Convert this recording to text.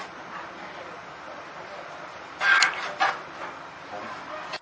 งั้นค้านละตรงนี้เราจะรอดขึ้นไป